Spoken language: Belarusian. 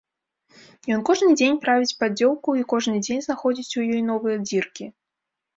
Ён кожны дзень правіць паддзёўку і кожны дзень знаходзіць у ёй новыя дзіркі.